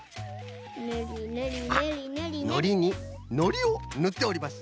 のりにのりをぬっております。